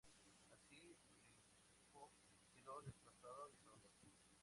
Así, Rengifo quedó desplazado y solo.